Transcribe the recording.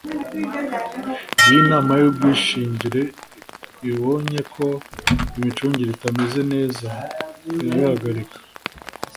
Iyo Inama y ubwishingire ibonye ko imicungire itameze neza irabihagarika